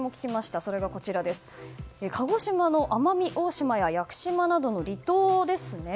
それがこちら鹿児島の奄美大島や屋久島などの離島ですね。